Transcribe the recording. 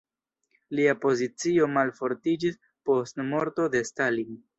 Lia pozicio malfortiĝis post morto de Stalin.